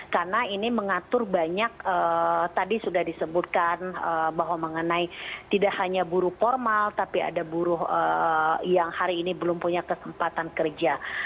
karena ini mengatur banyak tadi sudah disebutkan bahwa mengenai tidak hanya buruh formal tapi ada buruh yang hari ini belum punya kesempatan kerja